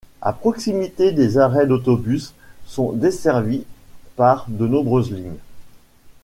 À proximité des arrêts d'autobus sont desservis par de nombreuses lignes.